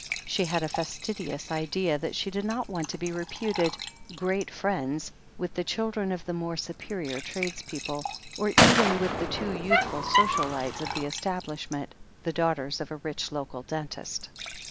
She had a fastidious idea that she did not want to be reputed "great friends" with the children of the more superior tradespeople, or even with the two youthful social lights of the establishment, the daughters of a rich local dentist.